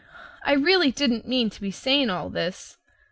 I really didn't mean to be saying all this.